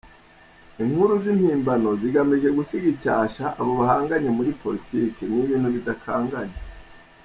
Inkuru z’impimbano zigamije gusiga icyashya abo bahanganye muri politiki, ni ibintu bidakanganye.